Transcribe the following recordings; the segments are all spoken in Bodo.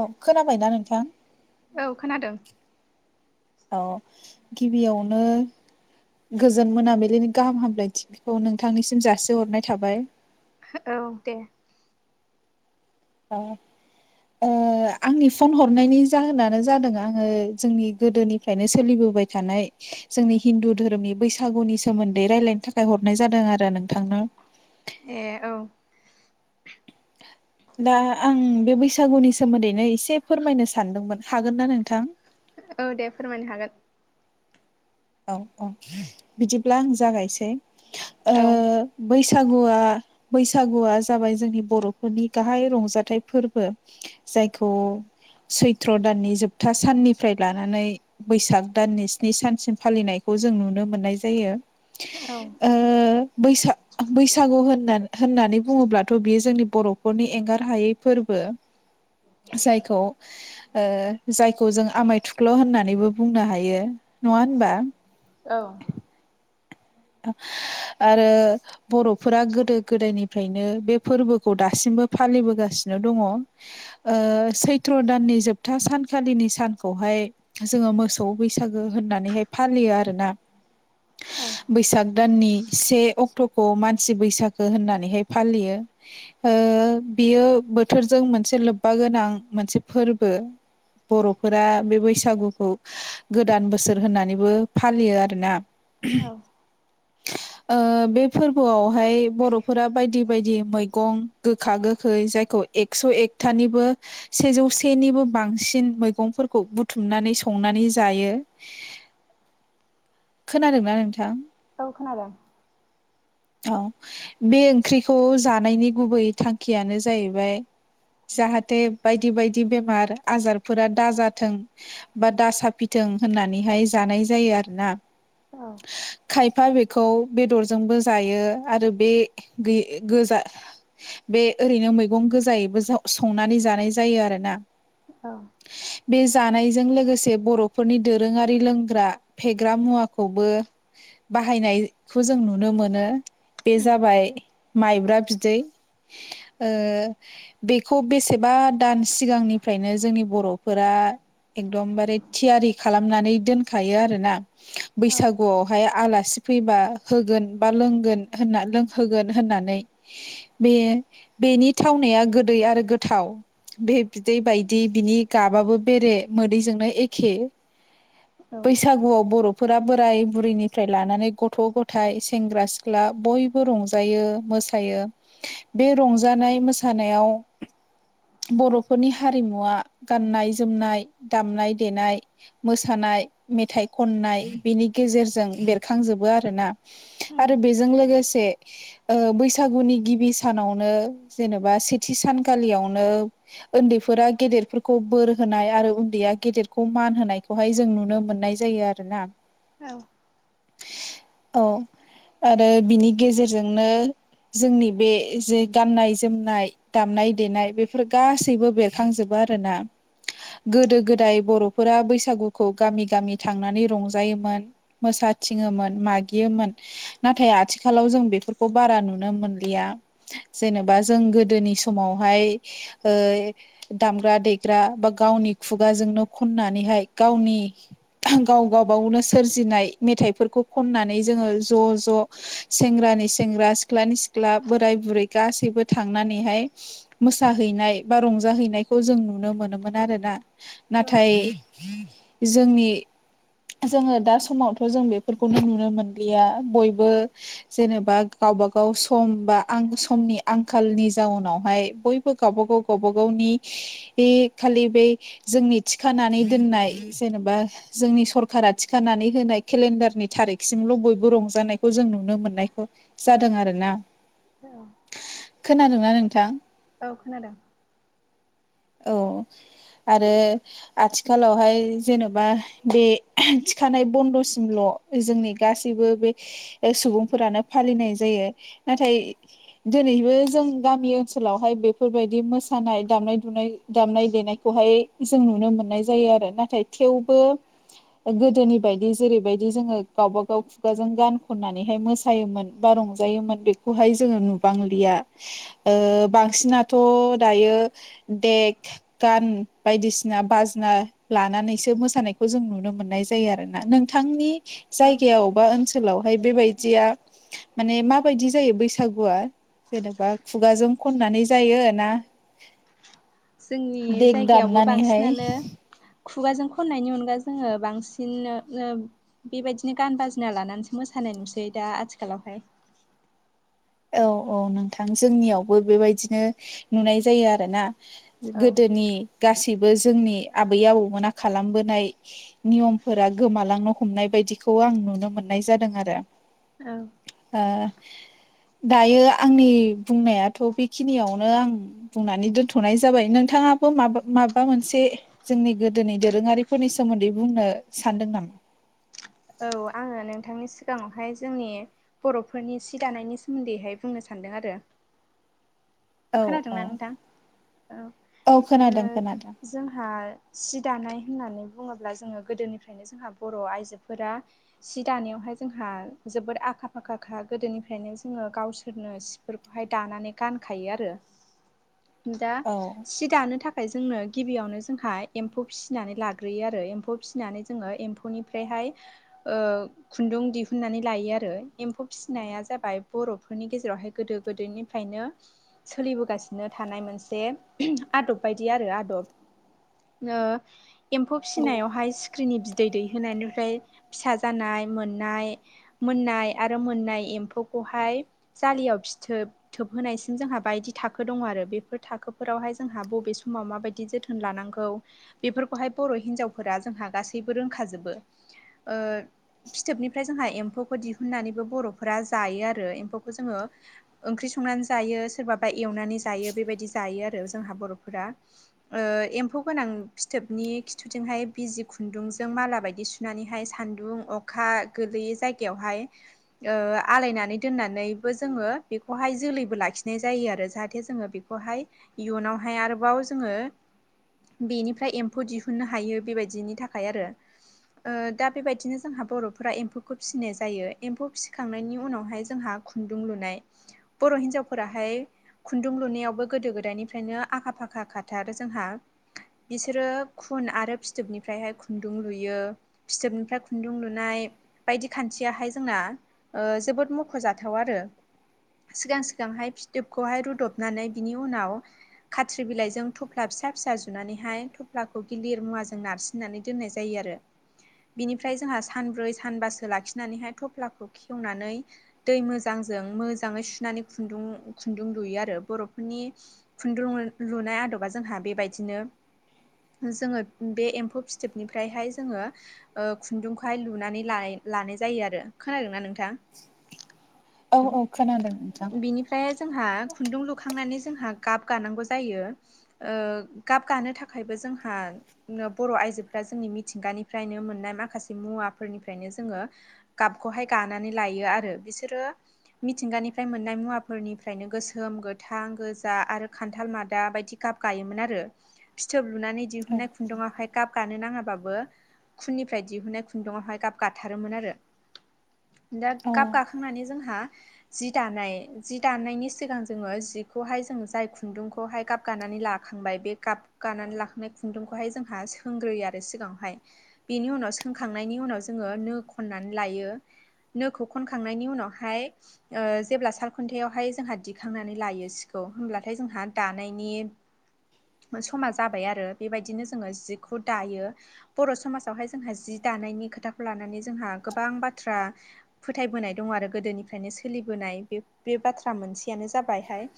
औ खोनाबायना नोंथां। औ खोनादों। औ गिबियावनो गोजोन मोनाबिलिनि गाहाम हामलायथिखौ नोंथांनिसिम जासिहरनाय थाबाय औ दे औ ओ आंनि फन हरनायनि जाहोनानो जादों आङो जोंनि गोदोनिफ्रायनो सोलिबोन बोबाय थानाय जोंनि हिन्दु धोरोमनि बैसागुनि सोमोन्दै रायलायनो थाखाय हरनाय जादों आरो नोंथां। [inaudible] ए औ [inaudible] दा आं बे बैसागुनि सोमोन्दैनो एसे फोरमायनो सानदोंमोन हागोन ना नोंथां औ दे फोरमायनो हागोन औ औ बिदिब्ला आं जागायसै ओ औ बैस बैसागुआ बैसागुआ जाबाय जोंनि बरफोरनि गाहाय रंजाथाइ फोरबो जायखौ सैथ्र दाननि जोबथा साननिफ्राय लानानै बैसाग दाननि स्नि सानसिम फालिनायखौ जों नुनो मोननाय जायो औ ओ बैसागु होननानै बुङोब्लाथ बियो जोंनि बरफोरनि एंगार हायै फोरबो जायखौ ओ जायखौ जों आमाय थुख्ल होननानैबो बुंनो हायो नंङा होनबा औ [unintelligible] आरो बरफोरा गोदो गोदायनिफ्रायनो बे फोरबोखौ दासिमबो फालिबोगासि नो दंङ ओ सैथ्र दाननि जोबथा सानखालिनि सानखौहाय जों ओ मोसौ बैसागो होननानैहाय फालियो आरोना औ बैसाग दाननि से अक्टखौ मानसि बैसागो होननानैहाय फालियो। ओ ओ बियो बोथोरजों मोनसे लोब्बा गोनां मोनसे फोरबो बरफोरा बे बैसागुखौ गोदान बोसोर होननानैबो फालियो आरोना औ [inaudible] बे फोरबोआवहाय बरफोरा बायदि बायदि मैगं गोखा गोखै जाय खौ एकस एकटानिबो सेजौ सेनिबो बांसिन मैफोरखौ बुथुमनानै सं संनानै जायो [inaudible] खोनादोंना नोंथां औ खोनादों [unintelligible] औ बे ओंख्रिखौ जानायनि गुबै थांखियानो जाहैबाय जाहाथे बायदि बायदि बेमार आजारफोरा दाजाथों बा दा साफिथों ओं होननानैहाय जानाय जायो आरोना औ खायफा बेखौ बेदरजोंबो जायो आरो बे गै गोजा बे ओरैनो मैगं गोजायैबो जाव संनानै जानाय जायो आरोना औ बे जानायजों लोगोसे बरफोरनि दोरोंङारि लोंग्रा फेग्रा मुवा खौबो बाहायनायखौ जों नुनो मोनो बे औ औ जाबाय माइब्रा बिदै ओ बेखौ बेसेबा दान सिगांनिफ्रायनो जोंनि बरफोरा एकदमबारे थियारि खालामनानै दोनखायो आरोना औ बैसागुआवहाय आला सि फैबा होगोन बा लोंगोन होनना लोंहोगोन होननानै बे बेनि थावनाया गोदै आरो गोथाव बे बिदै बायदि बिनि गाबाबो बेरे मोदैजोंनो एखे बैसागुआव बर फोर बोराय बुरैनिफ्राय लानानै गथ--गथाइ सेंग्रा-सिख्ला बयबो रंजायो मोसायो। बे रंजानाय मोसानायाव बरफोरनि हारिमुवा गाननाय-जोमनाय दामनाय-देनाय मोसानाय नाय मेथाइ खननाय बेनि गेजेरजों बेरखांजोबो आरोना आरो बेजों लोगोसे ओ बैसागुनि गिबि सानावनो जेनेबा सेथि सानखालियावनो ओन्दैफोरा गेदेरफोरखौ बोर होनाय आरो उन्दैया गेदेरखौ मान होनायखौहाय जों नुनो मोननाय जायो आरोना। औ। औ आरो बिनि गेजेरजोंनो जोंनि बे जे गाननाय जोमनाय दामनाय देनाय बेफोर गासैबो बेरखांजोबो आरोना गोदो गोदाय बर'फोरा बैसागुखौ गामि गामि थांनानै रंजा जायोमोन मोसाथिङोमोन मागियोमोन नाथाय आथिखालाव जों बेफोरखौ बारा नु नुनो मोनलिया जेनेबा जों गोदोनि समावहाय ओ दाम ग्रा देग्रा बा गावनि खुगाजोंनो खनानैहाय गावनि गाव गावबावनो सोरजिनाय मेथाइफोरखौ खननानै जोङो ज' ज' सेंग्रानि सेंग्रा सिख्लानि सिख्ला बोराय बुरै गासैबो थांनानैहाय मोसाहैनाय बा रंजाहै नायखौ जों नुनो मोनोमोन आरोना नाथाय जोंनि जोङो दा समावथ' जों बेफोरखौनो नुनो मोनलिया बयबो जेनेबा गावबा गाव सम बा आं समनि आंखालनि जाउनावहाय बयबो गावबा गाव गावबा गावनि बे खालि बै जोंनि थिखानानै दोननाय जेनेबा जोंनि सर खारा थिखानानै होनाय केलेन्डारनि थारिखसिमल' बयबो रंजानायखौ जों नुनो मोननायखौ जादों आरोना। औ। खोनादों ना नोंथां? औ खोनादों। औ। आरो आथिखालावहाय जेन'बा बे थिखानाय बन्द'सिमल' जोंनि गासैबो बे सुबुंफोरानो फालिनाय जायो नाथाय दोनैबो जों गामि ओनसोलावहाय बेफोरबायदि मोसानाय दामनाय बुनाय दामनाय देनायखौहाय जों नुनो मोननाय जायो आरो नाथाय थेवबो गोदोनि बायदि जेरैबायदि जोङो गावबा गाव खुगाजों गान खननानैहाय मोसायोमोन बा रंजायोमोन बेखौहाय जोङो नुबांलिया ओ बांसिनाथ' दायो देक गान बायदिसिना बाजना लानानैसो मोसानायखौ जों नुनो मोननाय जायो आरोना नोंथांनि औ जायगायाव बा ओनसोलावहाय बेबाय दिया माने माबायदि जायो बैसागुआ जेनेबा खुगाजों खननानै जायो ना? जोंनि देक जायगायावबो दामनानैहाय बांसिनानो खुगाजों खननायनि अनगा जोङो बांसिन नो-नो बेबायदिनो गान बाजिना लानानैसो मोसानो होननाय नुसै दा आथिखालावहाय। [inaudible] औ औ नोंथां जोंनियावबो बेबायदिनो नुनाय जायो आरोना। औ गोदोनि गासै सैबो जोंनि आबै आबौमोना खालामबोनाय नियमफोरा गोमालांनो हमनाय बायदिखौ खौ आं नुनो मोननाय जादों आरो औ ओ दायो आंनि बुंनायाथ' बेखिनियावनो आं बुंनानै दोनथ'नाय जाबाय नोंथाङा मा माबा मोनसे जोंनि गोदोनि दोरोङारिफोरनि सोमोन्दै बुंनो सानदों नामा? औ आङो नोंथांनि सिगाङावहाय जोंनि बर'फोरनि सि दानायनि सोमोन्दैहाय बुंनो सा सानदों आरो। [inaudible] औ औ खोनादोंना नोंथां? औ औ ओ खोनादों खोनादों जोंहा सि दानाय होननानै बुङोब्ला जोङो गोदोनिफ्रायनो जोंहा बर' आइजोफोरा सि दानायावहाय जोंहा जोबोद आखा फाखाखा गोदोनिफ्रायनो जोङो गावसोरनो सिफोरखौहाय दानानै गान खायो आरो दा औ सि दानो था खाय जोंनो गिबियावनो जोंहा एम्फौ फिसिनानै लाग्रोयो आरो एम्फौ फिसिनानै जोङो एम्फौनिफ्रायहाय हाय ओ खुन्दुं दिहुननानै लायो आरो एम्फौ फिसिनाया जाबाय बर'फोरनि गेजे जेरावहाय गोदो गोदायनिफ्रायनो सोलिबोगासिनो थानाय मोनसे आदब बायदि आरो आदब ओ एम्फौ फिसिनायावहाय सिख्रिनि बिदै दैहोनायनिफ्राय फिसा जानाय मोननाय, आरो मोननाय एम्फौखौ हाय जालियाव फिथोब थोबहोनाय जोंहा बायदि थाखो दङ आरो बेफोर थाखोफोरावहाय जोंहा बबे समाव माबायदि जोथोन लानांगौ बेफोरखौहाय बर' हिनजावफोरा जोंहा गासैबो रोंखाजोबो। ओ फिथोबनिफ्राय जोंहा एम्फौखौ दिहुननानैबो बर'फोरा जायो आरो एम्फौखौ जोङो। ओख्रि संनानै जायो सोरबाबा एवनानै जायो बेबादि जायो आरो जोंहा बर'फोरा ओ एम्फौ खौ फिथोबनि खिथुजोंहाय बिजि खुन्दुंजों माला बायदि सुनानैहाय सान्दुं अखा गोलैयि जायगायावहाय ओ आलायना दोननानैबो जोङो बेखौहाय जोलै लाखिनाय जायो आरो जाहाथे जोङो बेखौहाय इयुनावहाय आरोबाव जोङो बेनिफ्राय एम्फौ दिहुननो हायो बेबायदिनि थाखाय आरो। ओ दा बेबायदिनो जोंहा बर'फोरा एम्फौखौ फिसिनाय जायो एम्फौ फिसिखांनायनि उनावहाय जोंहा खुन्दुं लुनाय बर' हिनजाव फोराहाय खुन्दुं लुनायावबो गोदो गोदायनिफ्रायनो आखा फाखा खााथारो जोंहा बिसोरो खुन आरो फिथोबनिफ्रायहाय खुन्दुं लुयो फिथोबनिफ्राय खुन्दुं लुनाय बायदि खान्थियाहाय जोंना जोबोद मख'जाथाव आरो सिगां सिगांहाय फिथोबखौहाय रुदबनानै बिनि उनाव खाथ्रि बिलाइजों थफ्ला फिसा फिसा जुनानै हाय थफ्लाखौ गिलिर मुवाजों नारसिननानै दोननाय जायो आरो बिनिफ्राय जोंहा सानब्रै सानबासो लाखिनानैहाय थफ्लाखौ खेवनानै दै मोजां जों मोजाङै सुनानै खुन्दुं खुन्दुं लुयो आरो बर'फोरनि खुन्दुं लुनाय आदबा जोंहा बेबायदिनो [unintelligible] जोङो बे एम्फौ फिथोबनिफ्रायहाय जोङोओ खुन्दुंखौहाय लुनानै लानाय लानाय जायो आरो खोनादोंना नोंथां औ औ खोनादों नोंथां बिनिफ्राय जोंहा खुन्दुं लुखांनानै जोंहा गाब गानांगौ जायोओ गाब गानो थाखायबो जोंहा बर' आइजोफ्रा जोंनि मिथिंगानिफ्रायनो मोननाय माखासे मुवाफोरनिफ्रायनो जोङो गाबखौहाय गानानैलायो आरो बिसोरो मिथिगानि मोननाय मुवाफोरनिफ्रायनो गोसोम गोथां गोजा आरो खान्थाल मादा बायदि गाब गायोमोन आरो फिथोब लुनानै औ दिहुनाय खुन्दुंआवहाय गाब गानोनो नाङाबाबो खुननिफ्राय दिहुननाय खुन्दुंआवहाय गाब गाथारोमोन आरो दा गाब औ गाखांनानै जोंहा जि दानाय जि दानायनि सिगां जोङो जिखौहाय जों जाय खुन्दुंखौहाय गाबगानानै लाखा बाय बेगाबखौ गनानै लाखनाय खुन्दुंखौहाय जोंहा सोंगोरोयो आरो सिगांआवहाय बेनि उनावसो खनखांनायनि उनाव जोङो नो खननानै लायो नोखौ खनखांनायनि उनावहाय ओ जेब्ला सालखुन्थायावहाय जोंहा दिखांनानै लायो सिखौ होमब्लाथाय जोंहा दानायनि समाज जाबाय आरो बेबायदिनो जोंहा जिखौ दायो बर' समाजावहाय जोंहा जि द दानायनि खोथाखौ लानानै जोंहा गोबां बाथ्रा फोथायबोनाय दं आरो गोदोनिफ्रायनो सोलिबोनाय बे बाथ्रा मोनसेयानो जाबायहाय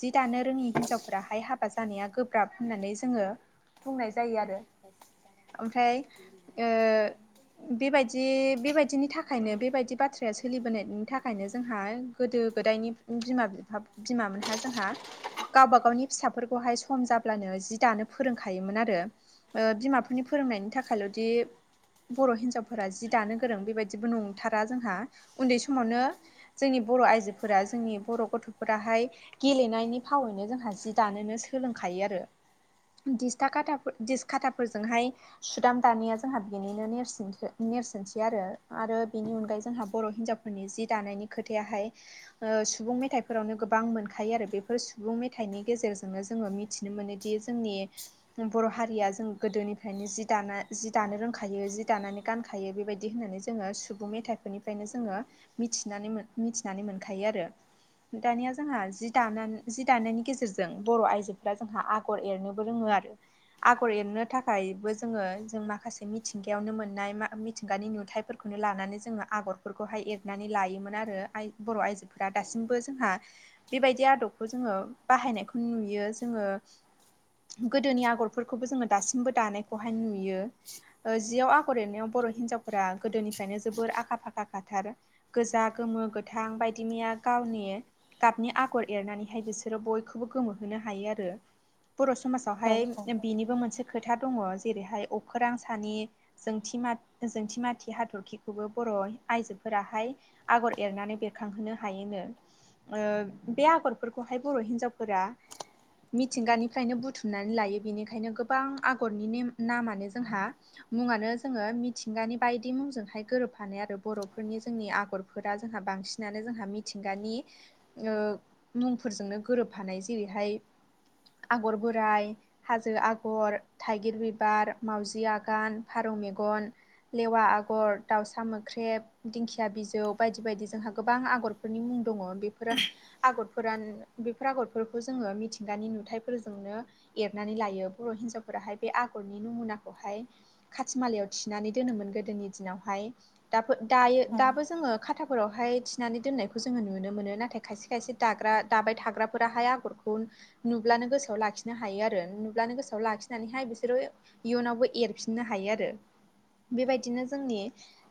जि दानो रोङि हिनजावफोराहाय हाब हाबा जानाया गोब्राब होननानै जोङो बुंनाय जायो आरो ओमफ्राय ओ बेबायदि बेबायदिनि थाखायनो बेबायदि बाथ्राया सोलिबोनायनि थाखायनो जोंहा गोदो गोदायनि बिमा बि बिमाोनहा जोंहा गावबा गावनि फिसाफोरखौ बेहाय सम जाब्लानो जि दानो फोरोंखायोमोन आरो बिमाफोरनि फोरोंनायनि थाखायल'दि बर' हिनजावफोरा जि दानो गोरों बेबायदिबो नंथारा जोंहा उन्दै समावनो जोंनि बर' आइजोफोरा जोंनि बर' गथ'फोराहाय गेलेनायनि फावैनो जोंहा जि दानोनो सो सोलोंखायो आरो। दिस्था खाथाफोर दिसकटाफोरजोंहाय सुदाम दानाया जोंहा बेनिनो नेरसोन। नेरसोनसै आरो बिनि अनगायै जोंहा बर' हिनजावफोरनि जि दानायनि। खोथायाहाय ओ-सुबुं मेथाइफोरावनो गोबां मोनखायो आरो बेफोर सुबुं मेथाइनि गेजेरजोंनो जो जोङो मिथिनो मोनोदि जोंनि बर' हारिया जों गोदोनिफ्रायनो जि दाना जि दानो रों खायो जि दानानै गानखायो बेबायदि होननानै जोङो सुबुं मेथाइफोरनिफ्रायनो जोङो मिथिनानै मोन मिथिनानै मोनखायो आरो। दानिया जोंहा जि दानान जि दानायनि गेजेरजों बर' आइजोफोरा जोंहा आगर एरनोबो रोङो। आरो आगर एरनो थाखायबो जोङो जों माखासे मिथिंगायावनो मोननाय मिथिंगानि नुथाइफोरखौ। लानानै जोङो आगरफोरखौहाय एरनानै लायोमोन आरो। आइ-बर' आइजोफोरा दासिमबो जोंहा बेबायदि आदबखौ जोङो बाहायनायखौ नुयो जों -ङो गोदोनि आगरफोरखौबो जोङो दासिमबो दानायखौहाय नुयो। ओ-जियाव आगर एरनायाव बर' हिन्जावफोरा गोदोनिफ्रायनो जोबोर आखा फाखा खाथार गोजा गोमो गोथ -थां बायदि मैया गावनि गाबनि आगर एरनानैहाय बिसोरो बयखौबो गोमोहोनो हायो आरो। बर' समाजावहाय औ बिनिबो मोनसे खोथा दङ जेरैहाय अखोरां सानि जोंथि मा जोंथि-माथि हाथरखिखौबो बर' आइजोफोराहाय आगर एरनानै बेरखांहोनो हायोनो ओ-बे आगरफोरखौहाय बर' हिनजावफोरा मिथिंगानिफ्रायनो बुथुमनानै लायो बेनिखायनो गोबां आगरनि नेम नामानो जोंहा मुङानो जोङो मिथिंगानि बायदि मुंजोंहाय गोरोबफानाय आरो बर'फोरनि जोंनि आगरफोरा जोंहा बांसिन नानो जोंहा मिथिंगानि ओ- मुंफोरजोंनो गोरोब हानाय जेरैहाय - आगर बोराइ, हाजो आगर, थाइगिर बिबार, मावउजि आगान, फारौ मेगन, लेवा आगर, दाउसा मोख्रेब, दिंखिया बिजौ बायदि बायदि जोंहा गोबां आगरफोरनि मुं दङ बेफोर आगरफोरान बेफोर आगरफोरखौ जोङो मिथिंगानि नु थाय फोरजोंनो एरनानै लायो बर' हिनजावफोराहाय बे आगरनि नमुनाखौहाय खाथि मालायाव थिनानै दोनोमोन गोदोनि दिनावहाय दाबो दायो औ दाबो जोङो खाथाफोरावहाय थिनानै दोननायखौ जोङो नुनो मोनो नाथाय खायसे खायसे दाग्रा दाबाय थाग्राफोराहाय आगरखौ नु ब्लानो गोसोआव लाखिनो हायो आरो नुब्लानो गोसोआव लाखिनानैहाय बिसोरो इयुनावबो एरफिननो हायो आरो। [inaudible] बेबायदिनो जोंनि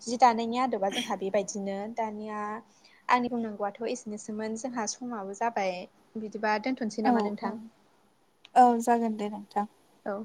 जि दानायनि आदबा जोंहा बेबायदिनो दानिया आंनि बुंनांगौआथ' एसेनोसोमोन। जोंहा समाबो जाबाय बिदिबा दोन औ औ औ जागोन दे नोंथां। औ।